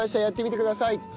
やってみてください。